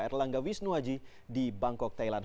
erlangga wisnuaji di bangkok thailand